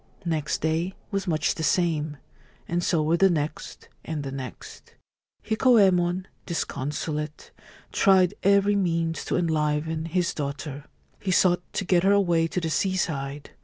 Next day was much the same, and so were the next and the next. Hikoyemon, disconsolate, tried every means to enliven his daughter. He sought to get her away to the seaside.